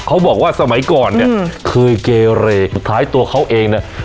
เขาบอกว่าสมัยก่อนเนี่ยเคยเกเรคล้ายตัวเขาเองเนี่ย